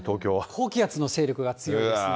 高気圧の勢力が強いですね。